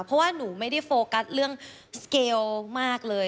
เพราะว่าหนูไม่ได้โฟกัสเรื่องสเกลมากเลย